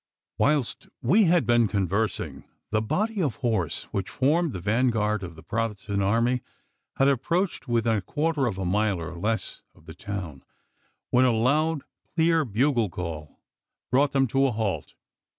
Whilst we had been conversing, the body of horse which formed the vanguard of the Protestant army had approached within a quarter of a mile or less of the town, when a loud, clear bugle call brought them to a halt.